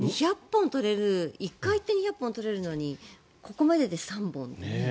１回行って２００本採れるのにここまでで３本。